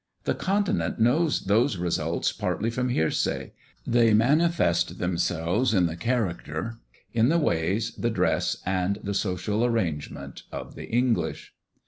The Continent knows those results partly from hearsay. They manifest themselves in the character, in the ways, the dress, and the social arrangements of the English.